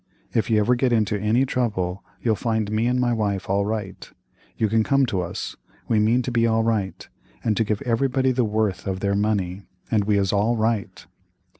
If you ever get into any trouble you'll find me and my wife all right; you can come to us—we mean to be all right, and to give everybody the worth of their money, and we is all right."